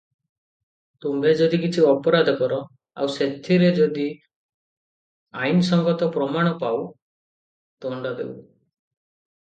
ତୁମ୍ଭେ ଯଦି କିଛି ଅପରାଧକର ଆଉ ସଥିରେ ଯଦି ଆଇନସଙ୍ଗତ ପ୍ରମାଣ ପାଉଁ ଦଣ୍ତ ଦେବୁ ।'